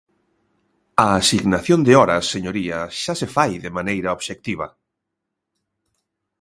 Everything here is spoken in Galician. A asignación de horas, señoría, xa se fai de maneira obxectiva.